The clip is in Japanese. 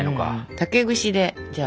竹串でじゃあ。